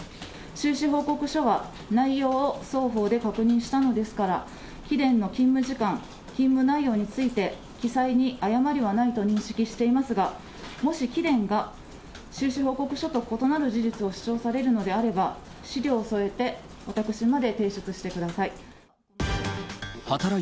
収支報告書は内容を双方で確認したのですから、貴殿の勤務時間、勤務内容について、記載に誤りはないと認識していますが、もし貴殿が収支報告書と異なる事実を主張されるのであれば、資料を添えて私まで提出してください。